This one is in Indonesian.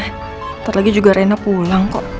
ntar lagi juga rena pulang kok